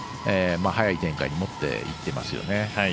早い展開に持っていってますよね。